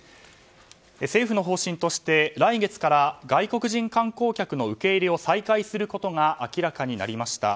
政府の方針として来月から外国人観光客の受け入れを再開することが明らかになりました。